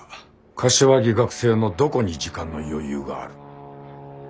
柏木学生のどこに時間の余裕がある。